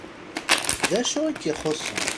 D acu i k-ixuṣṣen?